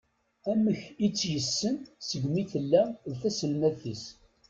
Amek i tt-yessen segmi tella d taselmadt-is.